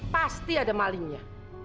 pasti ada malingnya